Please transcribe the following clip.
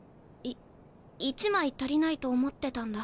い１枚足りないと思ってたんだ。